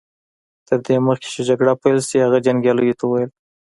تر دې مخکې چې جګړه پيل شي هغه جنګياليو ته وويل.